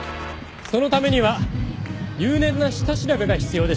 そのためには入念な下調べが必要でした。